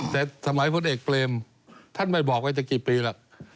แต่สมัยภุราเอกเฟรมท่านมาบอกว่าจะกี่ปีละ